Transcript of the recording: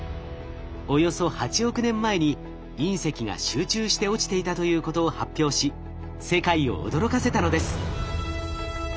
およそ８億年前に隕石が集中して落ちていたということを発表し世界を驚かせたのです。